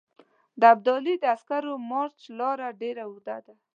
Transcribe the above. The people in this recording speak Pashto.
د ابدالي د عسکري مارچ لاره ډېره اوږده ده.